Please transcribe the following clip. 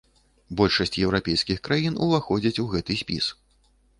Большасць еўрапейскіх краін уваходзяць у гэты спіс.